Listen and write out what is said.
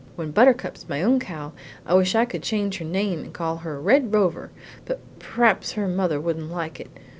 When Buttercup's my own cow I wish I could change her name and call her Red Rover, but p'r'aps her mother wouldn't like it.